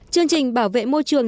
chương trình bảo vệ môi trường